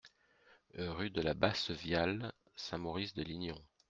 Rue de la Bassevialle, Saint-Maurice-de-Lignon